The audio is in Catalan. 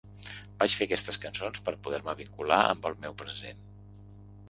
Vaig fer aquestes cançons per poder-me vincular amb el meu present.